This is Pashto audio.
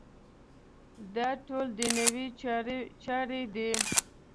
دا ټول دنیوي چارې دي.